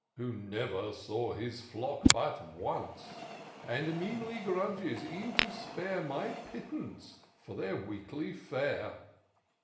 Who never saw his flock but once. And meanly grudges e'en to spare My pittance for their weekly fare.